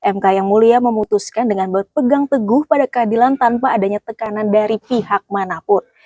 mk yang mulia memutuskan dengan berpegang teguh pada keadilan tanpa adanya tekanan dari pihak manapun